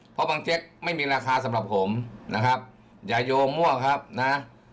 เพราะบางเจ๊กไม่มีราคาสำหรับผมนะครับอย่าโยงมั่วครับนะ